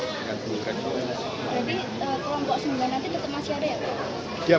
jadi kelompok sembilan nanti tetap masih ada ya pak